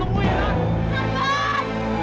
aku bantuin aku